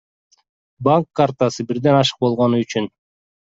Банк картасы бирден ашык болгону үчүн.